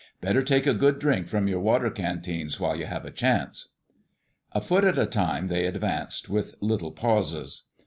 Better take a good drink from your water canteens while you have a chance." A foot at a time they advanced, with little pauses.